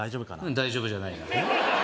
大丈夫じゃないなえっ？